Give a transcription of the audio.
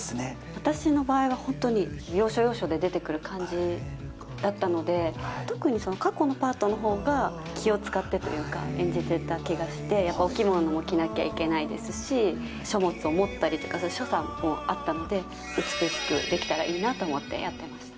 私の場合は本当に要所要所で出てくる感じだったので、特に過去のパートのほうが、気を遣ってというか、演じていた気がして、お着物も着なきゃいけないですし、書物を持ったりとか所作もあったので、美しくできたらいいなと思ってやってます。